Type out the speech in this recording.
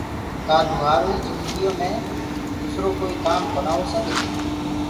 ڪآ لوهآروئي جندگيو مي دوسرو ڪوئي ڪآم ڪونآ هوسگي